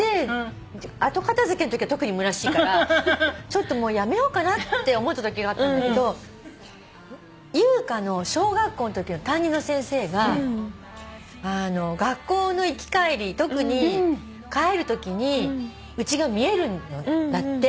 後片付けのときは特にむなしいからちょっともうやめようかなって思ったときがあったんだけど優香の小学校のときの担任の先生が学校の行き帰り特に帰るときにうちが見えるんだって。